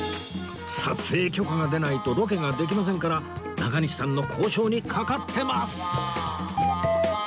撮影許可が出ないとロケができませんから中西さんの交渉にかかってます